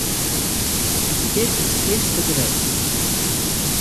Dit is fierste grut.